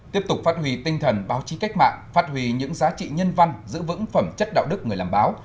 tiếp tục phát huy tinh thần báo chí cách mạng phát huy những giá trị nhân văn giữ vững phẩm chất đạo đức người làm báo